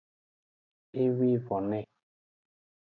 Ewivone.